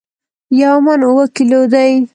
یو من اوو کیلو دي